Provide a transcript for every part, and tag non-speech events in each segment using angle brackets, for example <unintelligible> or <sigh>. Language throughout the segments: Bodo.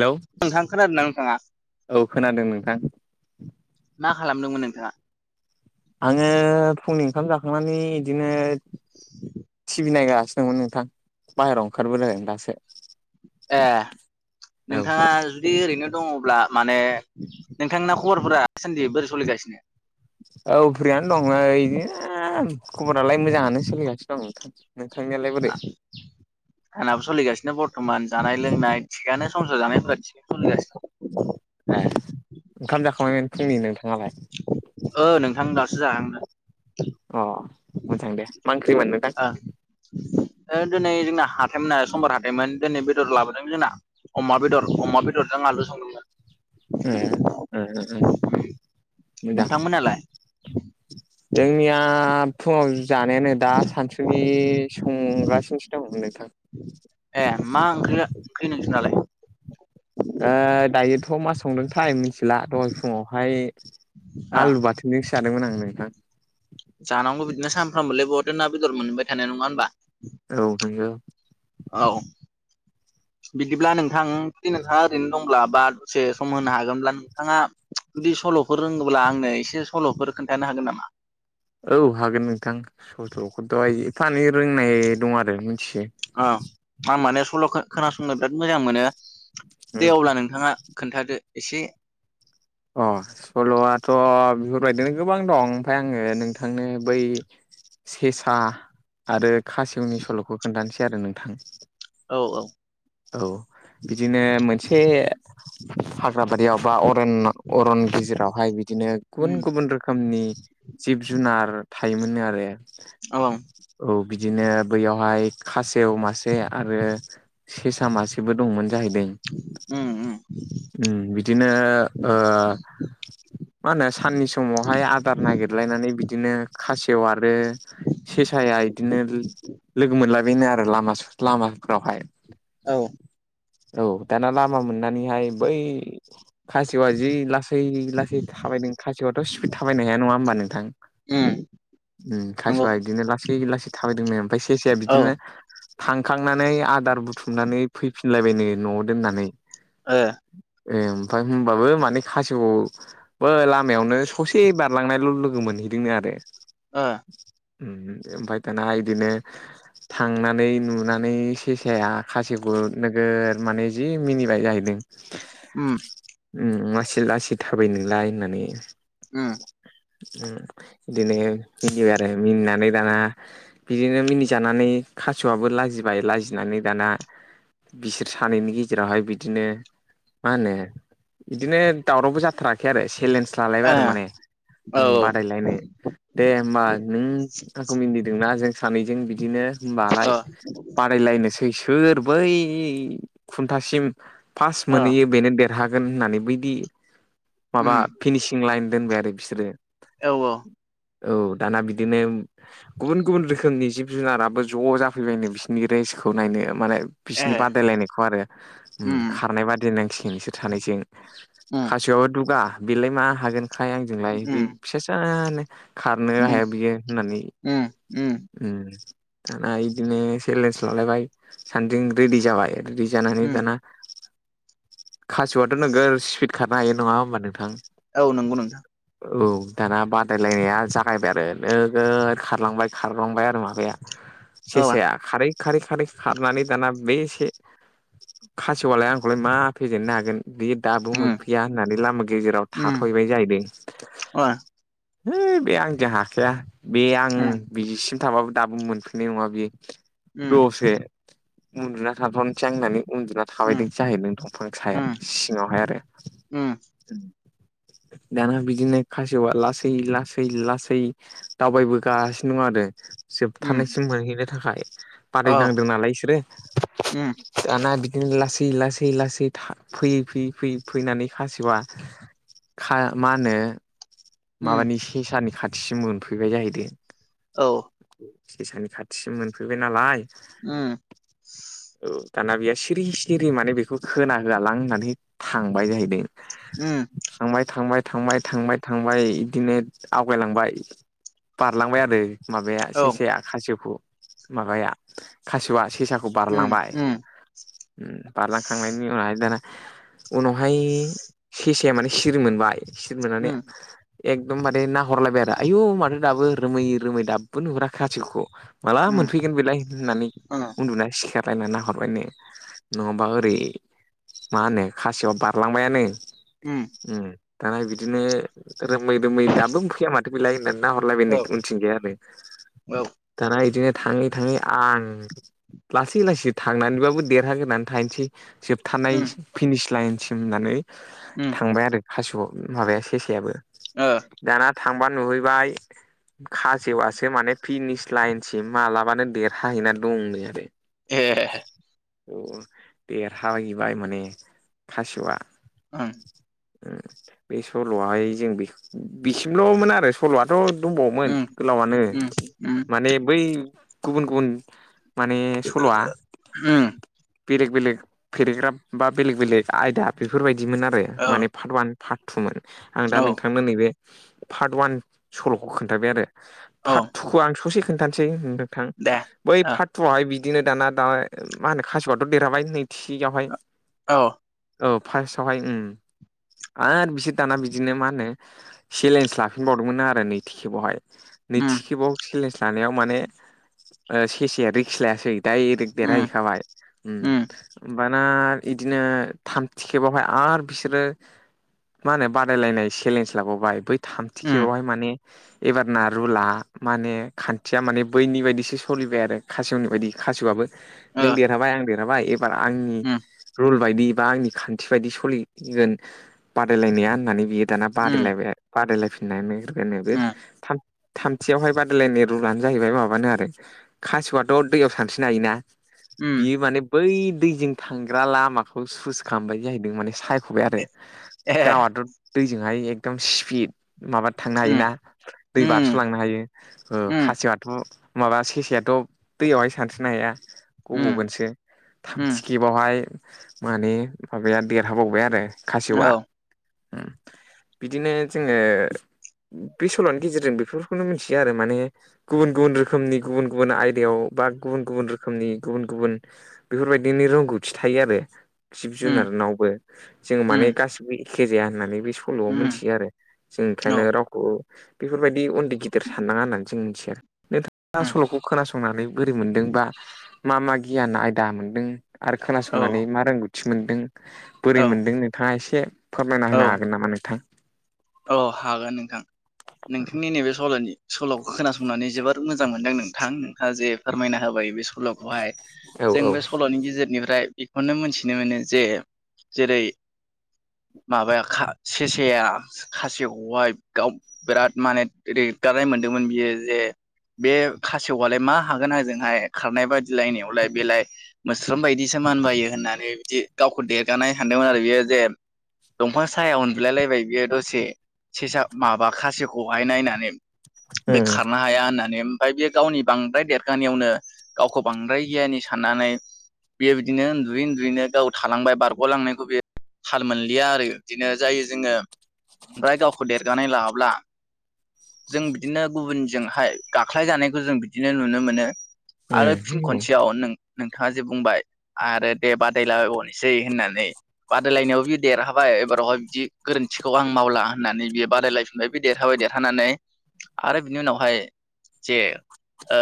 हेलौ नोंथां खोनादोंना नोंथाङा औ खोनादों नोंथां मा खालामदोंमोन नोंथांङा आङो फुंनि ओंखाम जाखांनानै इदिनो टिभि नायगासिनो नोंमोन नोंथां बाहहेरायाव ओंखारबोल दासो ए औ नोंथांङा बिदि ओरैनो दंङोब्ला माने नोंथांना खबरफोरा दासान्दि बोरै सोलिगासिनो औ फ्रियानो दंङो बिदिनो खबरालाय मोजांङानो सोलिगासिनो दं नोंथां नोंथांनियालाय बोरै <unintelligible> आंहाबो सोलिगासिनो बर्थमान जानाय लोंनाय थिगानो संसार जानायफोर <unintelligible> ए ओंखाम जाखांबायमोन फुंनि नोंथांङालाय ओ नोंथां दासो जाहांदों। अ मोजां दे मा ओंख्रि मोन नोंथां ओं दिनै जोंना हाथायमोना समबार हाथायमोन दिनै बेदर लाबोदों जोंना अमा बेदर अमा बेदरजों आलु संदोंमोन। उम उम मोजां नोंथांमोनालाय जोंनिया फुंङाव जानायानो। दा सानसुनि संगासिनोसो दंमोन नोंथां ए मा ओंख्रि ओंख्रि नोंसोर नालाय दायोथ' मा संदोंथाय मिथिला दहाय फुङावहाय ओ आलु बाथोन <unintelligible> आं नोंथां जानांगौ बिदिनो सानफ्रोमबोलाय बहथ' ना बेदर मोनबाय थानाय नंङा होनोमबा। औ नंगौ औ बिदिब्ला नोंथां जदि नोंथहा ओरैनो दंब्ला बा दसे सम होनो हागोनब्ला नों नोंथांङा बिुदि सल'फोर रोंङोब्ला आंनो एसे सल'फोर खोन्थानो हागोन नामा? औ हागोन नोंथां सस्र'खौथ'हाय एफ एनै रोंनाय दं आरो मिथियो। औ आं माने सल' खोनासंनो बिराद मोजां मोनो दे अब्ला नोंथांङा खोन्थादो एसे अ सल'आथ' बेफोरबायदिनो गोबां दं ओमफफ्राय आंङो नोंथांनो बै सेसा आरो खासिवनि सल'खौ खोन्थानोसै आरो नोंथां औ औ औ बिदिनो मोनसे हाग्राबारियाव बा अरन अरन गेजेरावहाय बिदिनो गुबुन उम गुबुन रोखोमनि जिब जुनार थायोमोन आरो औ औ बिदिनो बैयावहाय खासेव मासे आरो सेसा मासे गबो दंमोन जाहैदों उम उम बिदिनो मा होनो साननि समावहाय आदार नागिरलायनानै बि बिदिनो खासेव आरो सेसाया बिदिनो लोगो मोनलाबायनो आरो लाम लामाफोरावहाय औ औ दाना लामा मोननानैहाय बै खासेवा जि लासै लासै थाबायदों खाआथ' स्पिड थाबायनो हाया नंङा होमबा नोंथां। उम नंगौ खासेवा बिदिनो लासै लासै थाबायदोंमोन ओमफ्राय सेसेया औ बिदिनो थांखांनानै आदार बुथुमनानै फैफिनलायबायनो न'आव दोननानै ओ ए ओमफ्राय होनोमबाबो माने खासेव बा लामायावनो ससे बारलांनायल' लोगो मोनहैदोंनो आरो ओ उमफाय दाना इदिनो थांनानै नुनानै सेसाया खासेवखौ नोगोर माने जि मिनिबाय जाहैदों। उम उम मासे लासै थाबायो नोंलाय होननानै उम बिदिनो मियो आरो मिनानै दाना बिदिनो मिनिजानानै खासेवाबो लाजिबाय लाजिनानै दाना बिसोर सानैनि गेजेरावहाय बिदिनो मा होनो बिदिनो दावरावबो जाथाराखै आरो चेलेन्ज ओ लालायबाय आरो औ माने औ ओ बादायलायनो दे ओमबा नों आखौ मिन्थिदोंना जों सानैजों बिदिनो होनबालाय बादायलायनोसै सोर बै खुन्थासिम फार्स्ट ओ मोनहैयो बेनो देरहागोन होननानै बैदि माबा उम फिनिसिं लाइन दोनबाय आरो बिसोरो औ औ औ दाना बिदिनो गुबुन गुबुन रोखोमनि जिब जुनाराबो ज' जाफैबायनो बिसिनि रेसखौ नायनो माने बिसिनि ए बादायलायनायखौ आरो उम खारनाय बादाय नांसिगोन इसोर सानैजों उम खासेवाबो दुगा बेलाय मा हागोनखाय आंजोंलाय बे उम फिसासानो खारनो उम हाया बियो होननानै उम दाना बिदिनो सेलेन्स लालायबाय सानैजों रेडि जाबाय रेदि जानानै उम दाना खासिवआथ' नोगोर स्पिड खारनो हायो नङा ओमबा नोंथां औ नंगौ नोंथां औ दाना बादायलायनाया जागायबाय आरो नोगोद खारलांबाय खारलांबाय आरो माबाया <inaudible> सेसाया खारै खारै खारै खारनानै दाना बे से खासेवयालाय आंखौलाय मा फेजेननो हानो बे दाबो उम मोनफैया होननानै लामा गेजेराव उम थाथहैबाय जाहैबाय औ है बे आंजों हाखाया बे आं बिसिम थांबाबो दाबो मोनफैनाय नङा बे दसे उन्दुना थांथ'नोसै आं होननानै उन्दुना थाबायदोंसो जाहैबाय नों दंफां साया सिङावहाय आरो दाना बिदिनो खासेवआ लासै लासै लासै दावबायबोगासिनो दं आरो जोबथानायसिम मोनहैनो थाखाय बादायनांदों नालाय इसोरो दाना बिदिनो लासै लासै लासै था फैयै फैयै फैयै फैनानै खासेवा खा मा होनो माबानि सेसानि खाथिसिम मोनफैबाय जाहैदों औ सेसानि खाथिसिम मोनफैबाय नालाय उम औ दाना बेयो सिरि सिरि माने बेखौ खोना होआलां होननानै थांबाय जाहैदों उम थांबाय थांबाय थांबाय थांबाय थांबाय इदिनो आवगायलांबाय बारलांबाय आरो माबाया सेसाया खासेवखौ माबाया खासेवा सेसा खौ बारलांबाय उम बारलांखांनायनि उनावहाय दाना उनावहाय सेसाया माने सिरि मोनबाय सिरि मोननानै एकदम बारे नायहरलायबाय आरो आयु माथो दाबो रोमै रोमै दाबो नुहरा खासेवखौ माला मोनफैगोन बेलाय होननानै उन्दुना सिखार लायना नाहरबायनो नङाबा ओरै मा होनो खासेवआ बारलांबायानो उम दाना बिदिनो रोमै रोमै दाबो मोनफैया मा थो बिलाय होननानै नाहरलायबायनो उथिंजाय आरो दाना इदिनो थाङै थाङै आं लासै लासै थांनानैबाबो देरहाग्रोनानै थाहैनोसै जोब थानाय फिनिस लाइनसिम होननानै उम थांबाय आरो खासेव माबाया सेसायाबो ओ दाना थांबा नुहैबाय खाजेवआसो माने फिनिस लाइनसिम मालाबानो देरहाहैना दं नै आरो औ देरहा थाहैबाय माने खासेवआ बे सल'आहाय जों बिसिमल'मोन आरो सल'आथ' दंबावोमोन गोलावानो माने बै गुबुन गुबुन माने सल'आ बेलेग बेलेग पेरेग्राफ बा बेलेग बेलेग आयदा बेफोरबायदिमोन आरो माने पार्ट ववान पार्ट टुमोन आं दा नोंथांनो नैबे पार्ट वान सल'खौ खोन्थाबाय आरो पार्ट टु खौ आं ससे खोन्थानोसै नोंथां बै पार्ट टुवहाय बिदिनो दाना दा मा होनो खाासुआथ' देरहाबाय नै थिगावहाय औ फार्स्टवहाय उम आर बि दाना बिदिनो मा होनो चेलेन्ज लाफिनबावदोंमोन आरो नैथि खेबावहाय नैथि खेबाव सेलेन्स लानायाव माने सेसाया रिक्स लायाखै दायरेक देरहा हैखाबाय उम ओमबाना बिदिनो थामथि खेबावहाय आरो बिसोरो मा होनो बादायलायनाय सेलेन्ज लाबावबाय बै थामथि खेबावहाय माने एबारना रुला माने खान्थिया माने बैनि बायदिसो सलिबाय आरो खासेवनि बायदि खासेवआबो नों देरहाबाय आं देरहाबाय एबार आंनि रुल बायदि बा आंनि खान्थि बायदि सोलिगोन बादायलायनाया होननानै बियो दाना बादायलायबाय बादायलायफिननानै गेलेगोन था थामथियावहाय बादायलायनाय रुलानो जाहैबाय माबानो आरो खासेवआथ' दैयाव सानस्रिनो हायोना बियो माने बै दैजों थांग्रा लामाखौ सुइस खालामबाय जाहैदों माने सायख'बाय आरो गावाथ' दैजोंहाय एकदम स्पिपिड माबा थांनो हायोना दै बारस'लांनो हायो खासेवआथ' माबा सेसायाथ' दैयावहाय सानस्रिनो हाया गब'गोनसो थामथिखेबावहाय माने माबाया देरहाबावबाय आरो खासेवआ <inaudible> बिदिनो जोङो बे सल'नि गेजेरजों बेफोरखौनो मिथियो आरो माने गुबुन गुबुन रोखोमनि गुबुन गुबुन आयदायाव बा गुबुन गुबुन रोखोमनि गुबुन गुबुन बेफोरबायदिनो रोंगौथि थायो आरो जिब जुनारनावबो जों माने गासिबो एखे जाया होननानै बे सल'आव मोनथियो आरो जों ओंखायनो रावखौ बेफोरबायदि उन्दै गिदिर साननाङा होननानै जों मिथिया नोंथाङा औ सल'खौ खोनासंनानै बोरै मोनदोंबा मा मा गियान आयदा मोनदों आरो खोनासंनानै मा रोंगौथि मोनदों औ बोरै मोनदों नों नोंथाङा एसे फोरमायना औ होनो हागोन नामा नोंथां? औ हागोन नोंथां नोंथांनि नैबे सल'नि सल'खौ खोनासंनानै जोबोर मोजां मोनदों नोंथां नोंथाङा जे फोरमायना होबाय बे सल' सल'खौहाय औ जों औ बे सल'नि गेजेरनिफ्राय बेखौनो मोनथिनो मोनो जे जेरै माबाया खा सेसाया खासेवखौहाय गाव बिराद माने देगारनाय मोनदोंमोन बियो जे बे खासेवआलाय मा हागोन आजोंहाय खारनाय बादिलायनायावलाय बेलाय मोस्रोम बायदिसो मान बायो होननानै बिदि गावखौ देरगानाय सानदोंमोन आरो बियो जे दंफां साया उन बिलायलायबाय बेयो दसे सेसा माबा खासेवखौहाय नायनानै बे उम खारनो हाया होननानै बायदिया गावनि बांद्राय देरगानायावनो गावखौ बांद्राय गियानि साननानै बेयो बिदिनो उन्दुयै उन्दुयैनो गाव थालांबाय बारग'लांनायखौ बेयो थाल मोनलिया आरो इदिनो जायो जोङो ओमफ्राय गावखौ देरगानाय लाङाब्ला जों बिदिनो गुबुनजोंहाय गाख्लाय जानायखौ जों बिदिनो नुनो मोनो आरो उम फिन नंगौ खनसेयाव नों नोंथाङा जे बुंबाय आरो दे बादायलाबायबनोसै होननानै बादायलायनायाव बियो देरहा बाय एबारावहाय बिदि गोरोन्थिखौ आं मावला होननानै बियो बादायलायफिनबाय बे देरहाबाय देरहानानै आरो बिनि उनावहाय जे ओ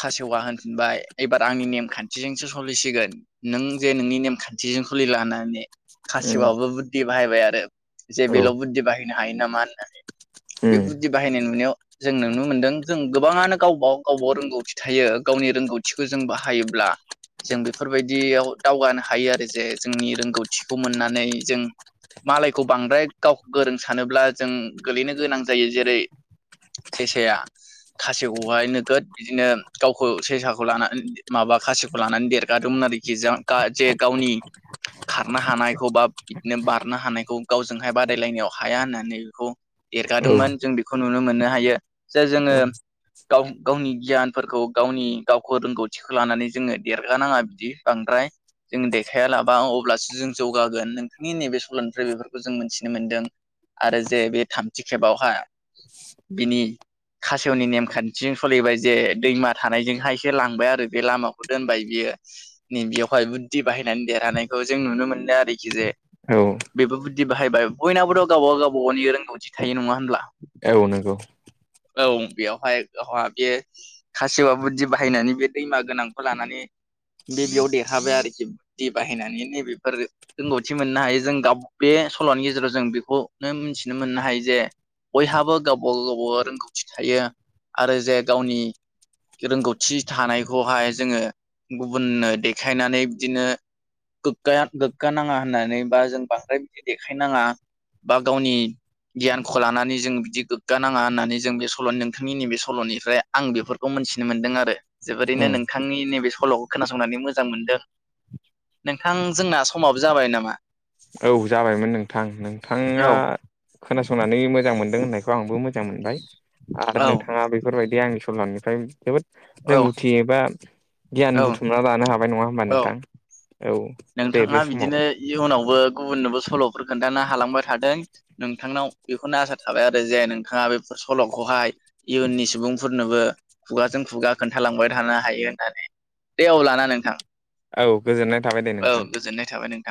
खासेवा होनफिनबाय एबार आंनि नेम खान्थिजोंसो सलिसिगोन नों जे नोंनि नेमखान्थिजों सलिला होनानै उम खासेवाबो बुद्धि बाहायबाय आरो। जे औ बेल' बुद्धि बाहायनो हायो नामा होननानै बे उम बुद्धि बाहायनाय नुनायाव जों नुनो मोनदों जों गोबाङानो गावबा गाव गावबा गाव रोंगौथि थायो गावनि रोंगौथिखो जों बाहायोब्ला जों बेफोरबायदियाव दावगानो हायो आरो जे जोंनि रोंगौ थिखौ मोननानै जों मालाय बांद्राय गावखौ गोरों सानोब्ला जों गोलैनो गोनां जायो जेरै सेसाया थासेवखौहाय नोगोद बिदिनो गावखो सेसाखौ लाना माबा खासेवखौ लानानै देरगादोंमोन आरोखि जा गा जे गावनि खारनो हानायखौ बा बिदिनो बारनो हानायखौ गावजोंहाय बादायलायनायाव हाया होननानै बेखौ एरगादोंमोन जों बेखौ नुनो मोननो हायो। जे जोङो गाव गावनि गियानफोरखौ गावनि गावखो रोंगौथिखो लानानै जोङो देरगानाङा बिदि बांद्राय जों देखाया लाबा अब्लासो जों जौगागोन नोंथांनि नैबे सल'निफ्राय बेफोर खो जों मोनथिनो मोनदों आरो जे बे थामथि खेबावहा बिनि <inaudible> खासेवनि नेमखान्थिजों स'लिबाय जे दैमा थानायजोंहायसो लांबाय आरो बे लामाखौ दोनबाय बियो नैबेयावहाय बुद्धि बाहायनानै देरहानायखौ जों नुनो मोनदों आरोखि जे औ बेबो बुद्धि बाहायबाय बयनाबोथ' गावबा गाव गावबा गावनि रोंगौथि थायो नङा होनब्ला? औ नोंगौ। औ बेयावहाय गावहा बेयो खासेवा बुद्दि बाहायनानै बे दैमा गोनांखौ लानानै बे बेयाव देरहाबाय आरोखि बुद्धि बाहायनानैनो बेफोर रोंगौथि मोननो हायो जों गाव बे सल'नि गेजेराव जों बेखौनो मिनथिनो मोननो हायो जे बयहाबो गावबा गाव गावबा गाव रोंगौथि थायो आरो जे गावनि रोंगौथि थानायखौहाय जोङो गुबुननो देखायनानै बिदिनो गोग्गाया गोग्गा नाङा होननानै बा जों बांद्राय बिदि देखायनाङा बा गावनि <inaudible> गियानखौ लानानै जों बिदि गोग्गा नाङा होननानै जों बे सल' नोंथांनि नैबे सल'निफ्राय आं बेफोरखौ मोनथिनो मोनदों आरो जोबोरैनो उम नोंथां नोंथांनि नैबे सल'खौ खोनासंनानै मोजां मोनदों नोंथां जोंना समाबो जाबाय नामा? औ जाबायमोन नोंथां नोंथाङा औ खोनासंनानै मोजां मोनदों होननायखौ आंबो मो जां मोनबाय आरो औ नोंथाङा बेफोरबायदि आंनि सल'निफ्राय जोबोद औ रोंगौथि एबा गियान औ बुथुमना लानो हाबाय नङा होमबा औ नोंथां औ। दे नोंथाङा बे समाव बिदिनो इयुनावबो गुबुननोबो सल'फोर खोन्थानो हालांबाय थाथों नोंथांनाव बेखौनो आसा थाबाय आरो जे नोंथाङा बेफोर सल'खौहाय इयुननि सुबुंफोरनोबो खुगाजों खुगा खोन्थालांबाय थानो हायो होननानै दे अब्लाना नोंथां औ गोजोननाय थाबाय दे औ नोंथां। गोजोननाय थाबाय नोंथां